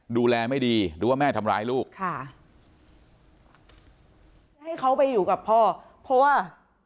ดูแลไม่ดีหรือว่าแม่ทำร้ายลูกค่ะให้เขาไปอยู่กับพ่อเพราะว่า